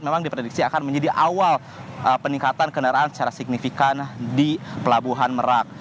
memang diprediksi akan menjadi awal peningkatan kendaraan secara signifikan di pelabuhan merak